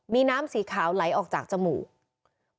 มีน้ำสีขาวไหลออกจากจมูก